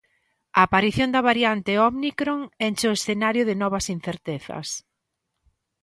A aparición da variante ómicron enche o escenario de novas incertezas.